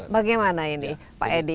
bagaimana ini pak edi